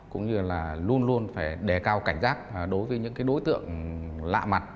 cũng như là luôn luôn phải đề cao cảnh giác đối với những đối tượng lạ mặt